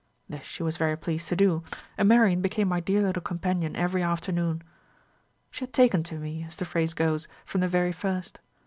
This she was very pleased to do, and Marian became my dear little companion every afternoon. She had taken to me, as the phrase goes, from the very first.